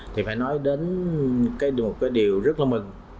thì phải nói đến một điều rất là mừng